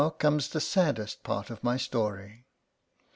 55 comes the saddest part of my story.